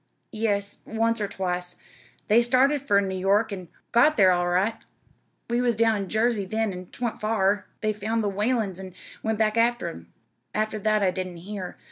"Yes, once or twice. They started fur New York, an' got thar all right. We was down in Jersey then, an' 'twa'n't fur. They found the Whalens an' went back ter them. After that I didn't hear.